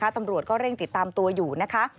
ตำรวจก็เร่งติดตามตัวอยู่นะคะ